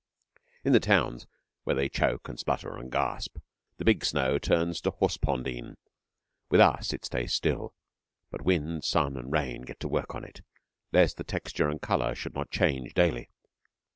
In the towns, where they choke and sputter and gasp, the big snow turns to horsepondine. With us it stays still: but wind, sun, and rain get to work upon it, lest the texture and colour should not change daily.